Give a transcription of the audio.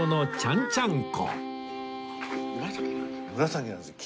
紫なんですか？